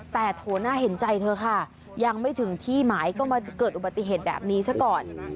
แต่โถน่าเห็นใจเธอค่ะยังไม่ถึงที่หมายก็มาเกิดอุบัติเหตุแบบนี้ซะก่อน